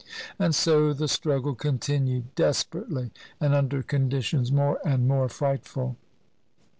And so the struggle continued, desperately, and under conditions more and more frightful.